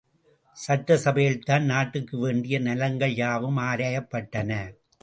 சட்டசபையில்தான் நாட்டுக்கு வேண்டிய நலன்கள் யாவும் ஆராயப்பட்டன.